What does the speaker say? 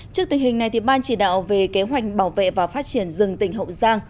trước tình hình này ban chỉ đạo về kế hoạch bảo vệ và phát triển rừng tỉnh hậu giang